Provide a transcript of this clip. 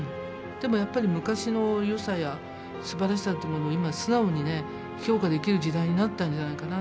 でもやっぱり昔の良さやすばらしさっていうものを今素直にね評価できる時代になったんじゃないかなと思うんです。